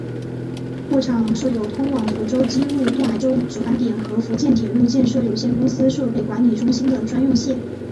货场设有通往福州机务段来舟折返点和福建铁路建设有限公司设备管理中心的专用线。